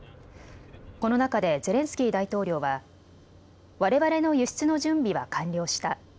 この中でゼレンスキー大統領はわれわれの輸出の準備は完了した。